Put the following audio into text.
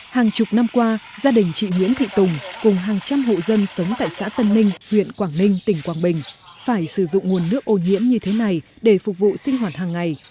hàng chục năm qua gia đình chị nguyễn thị tùng cùng hàng trăm hộ dân sống tại xã tân ninh huyện quảng ninh tỉnh quảng bình phải sử dụng nguồn nước ô nhiễm như thế này để phục vụ sinh hoạt hàng ngày